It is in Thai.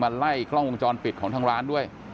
ไล่กล้องวงจรปิดของทางร้านด้วย